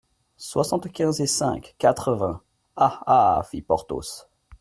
Soixante-quinze et cinq, quatre-vingts … Ah ! ah ! fit Porthos.